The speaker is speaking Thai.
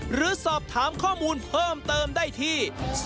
หรือสอบถามข้อมูลเพิ่มเติมได้ที่